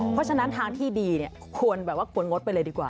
เพราะฉะนั้นทางที่ดีเนี่ยควรแบบว่าควรงดไปเลยดีกว่า